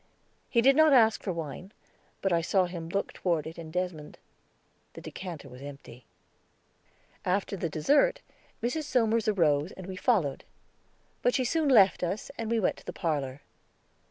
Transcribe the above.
He did not ask for wine, but I saw him look toward it and Desmond. The decanter was empty. After the dessert, Mrs. Somers arose and we followed; but she soon left us, and we went to the parlor.